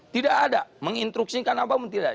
tidak ada mengintruksikan apa pun tidak